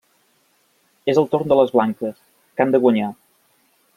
És el torn de les blanques, que han de guanyar.